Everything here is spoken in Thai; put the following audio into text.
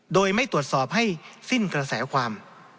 โดยไม่ตรวจสอบให้สิ้นกระแสความ